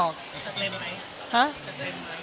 จะเต็มไหม